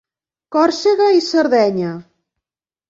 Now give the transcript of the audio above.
Còrsega i Sardenya.